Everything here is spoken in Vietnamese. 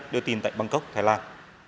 đưa tin tại bangkok thái lan